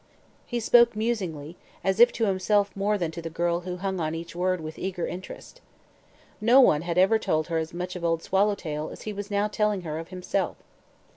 He spoke musingly, as if to himself more than to the girl who hung on each word with eager interest. No one had ever told her as much of Old Swallowtail as he was now telling her of himself.